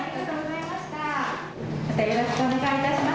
またよろしくお願いします。